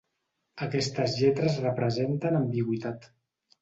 Aquestes lletres representen ambigüitat.